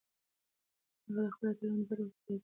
هغه د خپلو اتلانو په روح کې د ازادۍ او مینې تنده لیدلې وه.